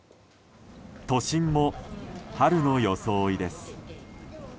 都心も春の装いです。